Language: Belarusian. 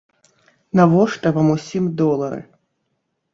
Навошта вам усім долары?